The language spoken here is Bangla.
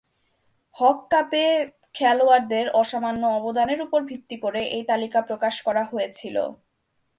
হক কাপে খেলোয়াড়দের অসামান্য অবদানের উপর ভিত্তি করে এ তালিকা প্রকাশ করা হয়েছিল।